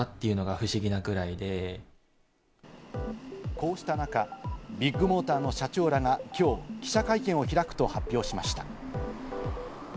こうした中、ビッグモーターの社長らがきょう記者会見を開くと発表しました。